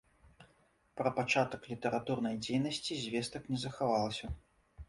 Пра пачатак літаратурнай дзейнасці звестак не захавалася.